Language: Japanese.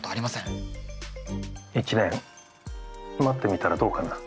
１年待ってみたらどうかな？